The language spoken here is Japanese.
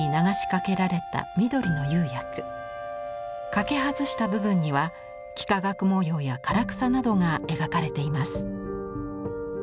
かけ外した部分には幾何学模様や唐草などが描かれています。